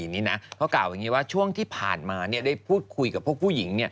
เพราะกล่าวอย่างนี้ว่าช่วงที่ผ่านมาได้พูดคุยกับพวกผู้หญิง